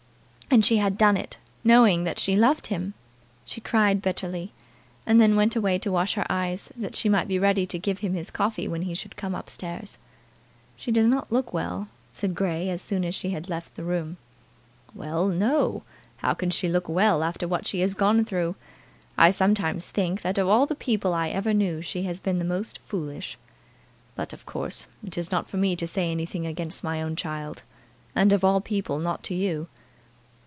And she had done it, knowing that she loved him! She cried bitterly, and then went away to wash her eyes, that she might be ready to give him his coffee when he should come up stairs. "She does not look well," said Grey as soon as she had left the room. "Well; no: how can she look well after what she has gone through? I sometimes think, that of all the people I ever knew, she has been the most foolish. But, of course, it is not for me to say anything against my own child; and, of all people, not to you."